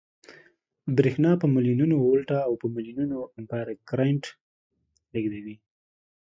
برېښنا په ملیونونو ولټه او په ملیونونو امپیره کرنټ لېږدوي